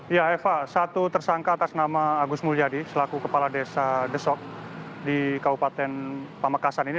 ya eva satu tersangka atas nama agus mulyadi selaku kepala desa desok di kabupaten pamekasan ini